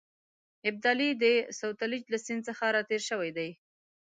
ابدالي د سوتلیج له سیند څخه را تېر شوی دی.